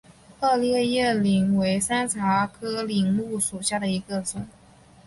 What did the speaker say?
二列叶柃为山茶科柃木属下的一个种。